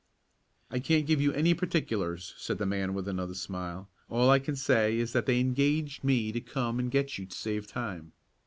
"I can't give you any particulars," said the man with another smile. "All I can say is that they engaged me to come and get you to save time."